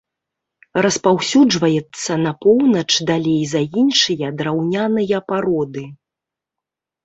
Распаўсюджваецца на поўнач далей за іншыя драўняныя пароды.